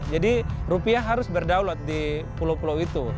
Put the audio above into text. jadi rupiah harus berdaulat di pulau pulau itu